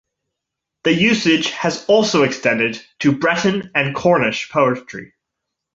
The usage has also extended to Breton and Cornish poetry.